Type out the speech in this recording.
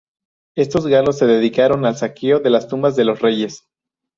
Estos galos se dedicaron al saqueo de las tumbas de los reyes.